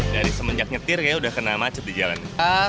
dari semenjak nyetir kayaknya udah kena macet di jalan